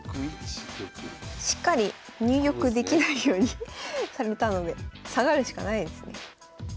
しっかり入玉できないようにされたので下がるしかないですね。